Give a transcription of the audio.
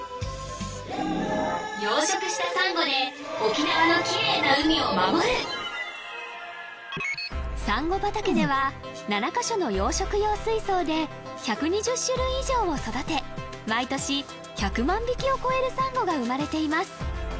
養殖したサンゴで沖縄のきれいな海を守るサンゴ畑では７カ所の養殖用水槽で１２０種類以上を育て毎年１００万匹を超えるサンゴが生まれています